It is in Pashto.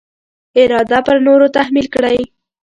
اراده پر نورو تحمیل کړي.